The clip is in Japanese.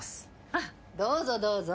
あっどうぞどうぞ。